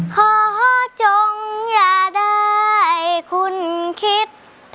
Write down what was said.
ขอจงอย่าได้คุณคิด